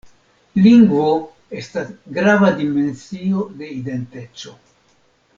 Lingvo estas grava dimensio de identeco.